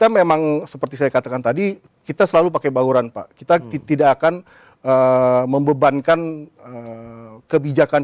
memang seperti saya katakan tadi kita selalu pakai bauran pak kita tidak akan membebankan kebijakan